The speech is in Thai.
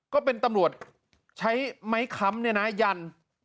ก็เป็นตำรวจใช้ไม้ค้ำเนี่ยนะยัน